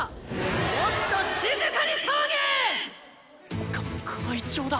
もっと静かに騒げ！か会長だ！